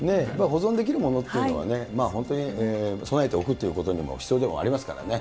保存できるものというのは、本当に備えておくということにも必要でもありますからね。